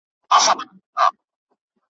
د وخت له ازموینې تیریږي